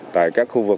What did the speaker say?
tại các khu vực